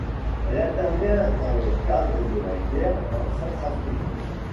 Elle intervient dans le cadre de la guerre en Centrafrique.